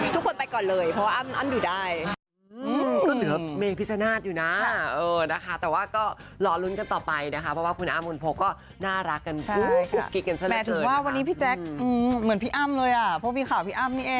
ทุกคนไปก่อนเลยเพราะว่าอ้ำอยู่ได้